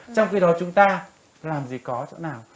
trong khi đó chúng ta làm gì có chỗ nào